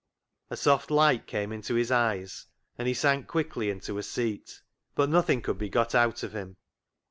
A soft light came into his eyes, and he sank quickly into a seat. But nothing could be got out of him.